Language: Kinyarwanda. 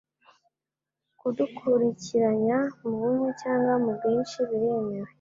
kudukurikiranya mu bumwe cyangwa mu bwinshi biremewe